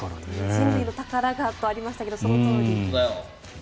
人類の宝がとありましたがそのとおり。